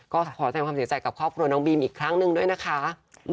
ก็ขอแสดงความเสียใจกับครอบครัวน้องบีมอีกครั้งหนึ่งด้วยนะคะ